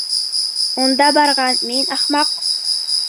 Унда барған мин ахмаҡ!